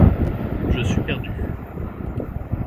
Je suis perdu!